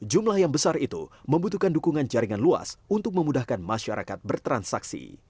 jumlah yang besar itu membutuhkan dukungan jaringan luas untuk memudahkan masyarakat bertransaksi